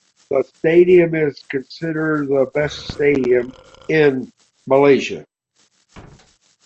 The stadium is considered the best stadium in Malaysia.